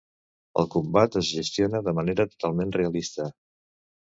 El combat es gestiona de manera totalment realista.